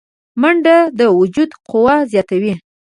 منډه د وجود قوه زیاتوي